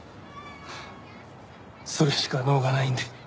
それしか能がないんで。